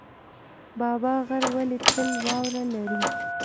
بابا غر ولې تل واوره لري؟